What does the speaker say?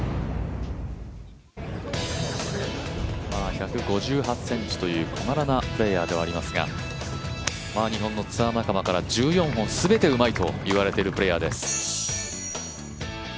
１５８ｃｍという小柄なプレーヤーではありますが日本のツアー仲間から、１４本全てうまいと言われているプレーヤーです。